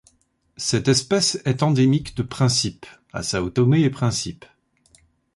Cette espèce est endémique de Principe à Sao Tomé-et-Principe.